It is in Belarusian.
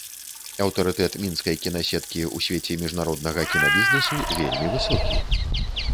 Аўтарытэт мінскай кінасеткі ў свеце міжнароднага кінабізнэсу вельмі высокі.